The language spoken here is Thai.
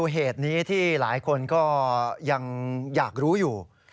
เหตุนี้ที่หลายคนก็ยังอยากรู้อยู่